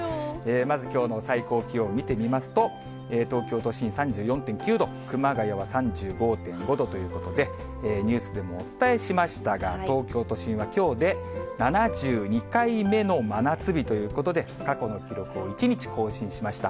まずきょうの最高気温を見てみますと、東京都心３４．９度、熊谷は３５．５度ということで、ニュースでもお伝えしましたが、東京都心はきょうで７２回目の真夏日ということで、過去の記録を１日更新しました。